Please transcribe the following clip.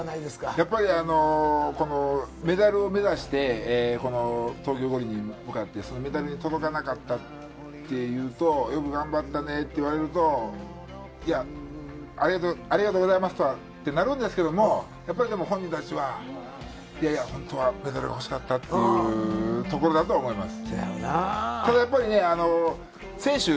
やっぱり、このメダルを目指して、この東京五輪に向かって、そのメダルに届かなかったっていうと、よく頑張ったねって言われると、いや、ありがとうございますとはなるんですけど、やっぱりでも本人たちは、いやいや、本当はメダル欲しかったっていうところだと思います。